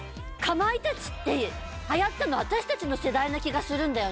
かまいたちって流行ったの私たちの世代な気がするんだよな。